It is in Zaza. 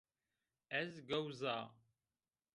Ez gewz a